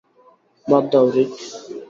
বাদ দাও, রিক।